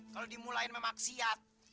kalau dimulain memaksiat